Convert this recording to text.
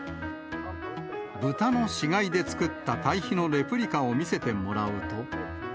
豚の死骸で作った堆肥のレプリカを見せてもらうと。